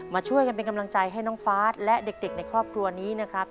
มาช่วยกันเป็นกำลังใจให้น้องฟ้าและเด็กในครอบครัวนี้นะครับ